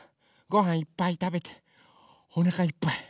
ごはんいっぱいたべておなかいっぱい。